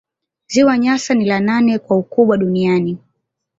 Ziwa Nyasa ni la nane kwa ukubwa duniani